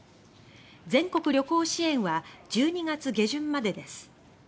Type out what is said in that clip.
全国旅行支援は１２月下旬までです。